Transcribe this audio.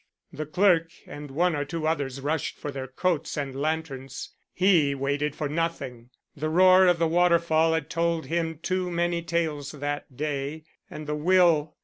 The clerk and one or two others rushed for their coats and lanterns. He waited for nothing. The roar of the waterfall had told him too many tales that day. And the will!